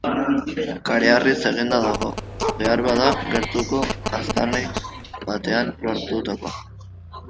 Kareharriz egina dago, beharbada, gertuko aztarnategi batean lortutakoa.